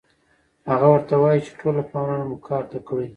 هغه ورته وايي چې ټوله پاملرنه مو کار ته کړئ